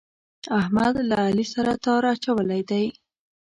احمد له علي سره تار اچولی دی.